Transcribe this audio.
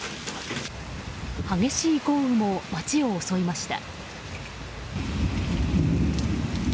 激しい豪雨も街を襲いました。